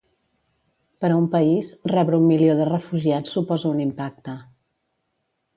Per a un país, rebre un milió de refugiats suposa un impacte.